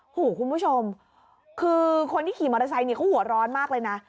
โอ้โหคุณผู้ชมคือคนที่ขี่มอเตอร์ไซค์เขาหัวร้อนมากเลยนะ